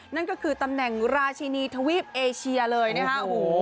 นั่นก็คือตำแหน่งราชินีทวีปเอเชียเลยนะฮะโอ้โห